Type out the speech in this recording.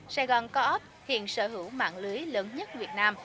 sài gòn co op hiện sở hữu mạng lưới lớn nhất việt nam